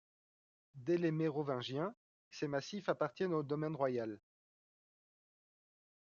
Dès les Mérovingiens, ces massifs appartiennent au domaine royal.